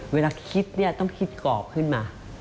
เวลาคิดต้องคิดกรอบขึ้นมา